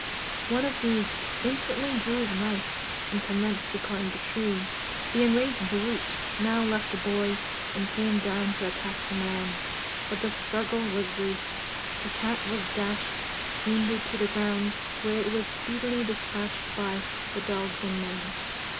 One of these instantly drew his knife and commenced to climb the tree. The enraged brute now left the boy and came down to attack the man; but the struggle was brief; the cat was dashed, wounded, to the ground, where it was speedily despatched by the dogs and men.